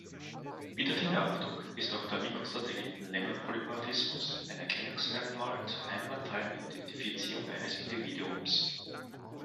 Wie der Fingerabdruck ist auch der Mikrosatelliten-Längenpolymorphismus ein Erkennungsmerkmal zur einwandfreien Identifizierung eines Individuums.